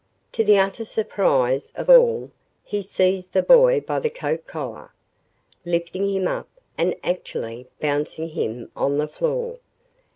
To the utter surprise of all he seized the boy by the coat collar, lifting him up and actually bouncing him on the floor.